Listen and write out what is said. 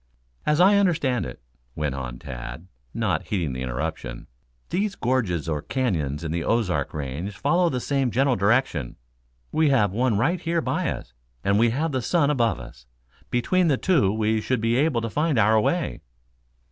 "As I understand it," went on Tad, not heeding the interruption, "these gorges or canyons in the Ozark range follow the same general direction. We have one right here by us, and we have the sun above us. Between the two we should be able to find our way."